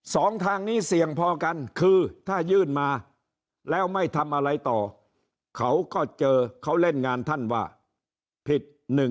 สองทางนี้เสี่ยงพอกันคือถ้ายื่นมาแล้วไม่ทำอะไรต่อเขาก็เจอเขาเล่นงานท่านว่าผิด